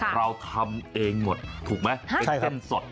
เราทำเองหมด